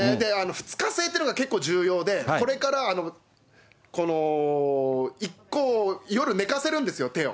２日制っていうのが結構重要で、これからこの一考、夜寝かせるんですよ、手を。